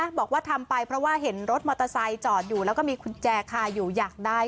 บอกว่าทำไปเพราะว่าเห็นรถมอเตอร์ไซค์จอดอยู่แล้วก็มีกุญแจคาอยู่อยากได้